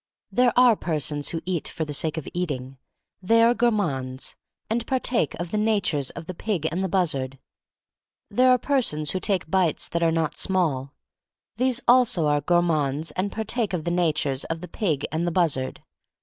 There are persons who eat for the sake of eating. They are gourmands, 80 THE STORY OF MARY MAC LANE 8 1 and partake of the natures of the pig and the buzzard. There are persons who take bites that are not small. These also are gourmands and partake of the natures of the pig and the buzzard.